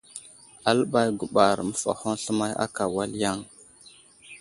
Aləɓay guɓar məfahoŋ sləmay ákà wal yaŋ.